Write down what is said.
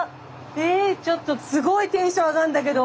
えちょっとすごいテンション上がんだけど。